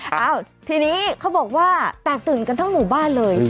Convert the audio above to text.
เอ้าทีนี้เขาบอกว่าแตกตื่นกันทั้งหมู่บ้านเลย